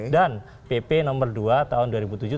dan yang keempat undang undang nomor dua belas tahun dua ribu tujuh